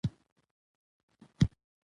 د پرېکړو روڼتیا د ولس باور زیاتوي